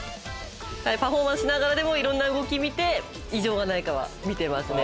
パフォーマンスしながらでも、いろんな動きを見て異常がないかは見てますね。